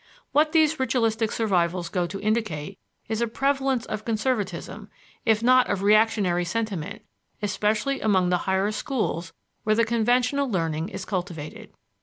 What these ritualistic survivals go to indicate is a prevalence of conservatism, if not of reactionary sentiment, especially among the higher schools where the conventional learning is cultivated.